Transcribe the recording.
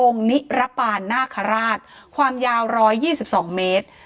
องค์นิรปานนาคาราชความยาวรอยยี่สิบสองเมตร